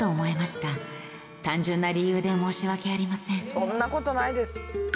そんな事ないです。